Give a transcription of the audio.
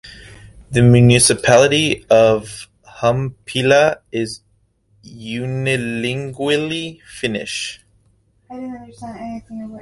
The municipality of Humppila is unilingually Finnish.